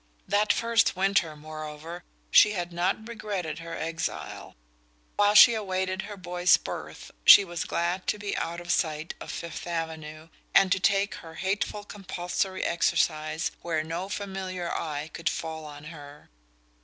That first winter, more over, she had not regretted her exile: while she awaited her boy's birth she was glad to be out of sight of Fifth Avenue, and to take her hateful compulsory exercise where no familiar eye could fall on her.